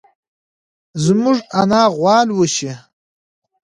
زموږ انا غوا لوسي.